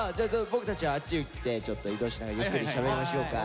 僕たちはあっち行ってちょっと移動しながらゆっくりしゃべりましょうか。